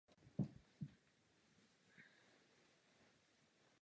František Fischer měl syna Karla.